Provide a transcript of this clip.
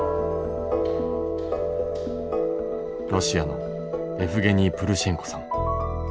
ロシアのエフゲニー・プルシェンコさん。